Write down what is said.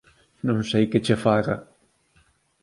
Non sei que che faga!